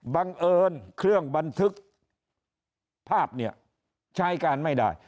บังเอิญเครื่องบันทึกภาพเนี่ยใช้การไม่ได้